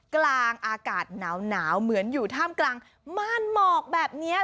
กลางอากาศหนาวเหมือนอยู่ท่ามกลางม่านหมอกแบบนี้